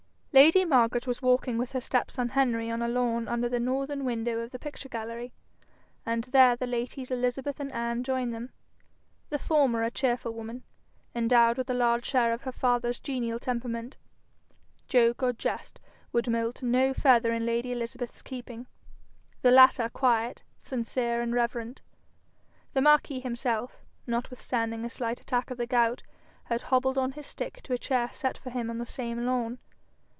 Lady Margaret was walking with her step son Henry on a lawn under the northern window of the picture gallery, and there the ladies Elizabeth and Anne joined them the former a cheerful woman, endowed with a large share of her father's genial temperament; joke or jest would moult no feather in lady Elizabeth's keeping; the latter quiet, sincere, and reverent. The marquis himself, notwithstanding a slight attack of the gout, had hobbled on his stick to a chair set for him on the same lawn.